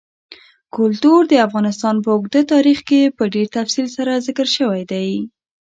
کلتور د افغانستان په اوږده تاریخ کې په ډېر تفصیل سره ذکر شوی دی.